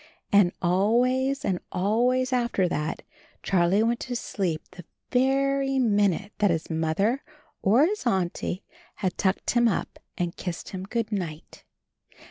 And always and always after that Charlie went to sleep the very minute that his Mother or his Auntie had tucked him up and kissed him "Good night."